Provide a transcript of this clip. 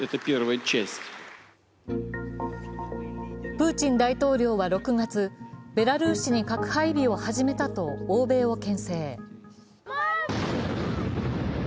プーチン大統領は６月、ベラルーシに核配備を始めたと欧米を牽制。